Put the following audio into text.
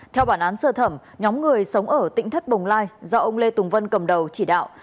theo bản án sơ thẩm nhóm người sống ở tỉnh thất bồng lai do ông lê tùng vân cầm đầu chỉ đạo